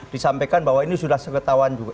disampaikan bahwa ini sudah seketahuan juga